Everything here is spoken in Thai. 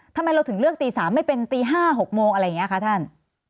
ทำไมเราถึงเลือกตี๓ไม่เป็นตี๕๖โมงอะไรอย่างนี้คะท่าน